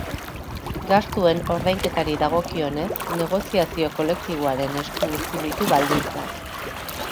Gastuen ordainketari dagokionez, negoziazio kolektiboaren esku utzi ditu baldintzak.